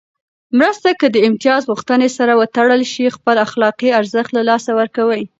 مرسته که د امتياز غوښتنې سره وتړل شي، خپل اخلاقي ارزښت له لاسه ورکوي.